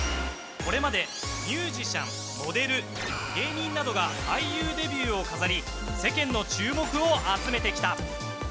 これまでミュージシャンモデル、芸人などが俳優デビューを飾り世間の注目を集めてきた。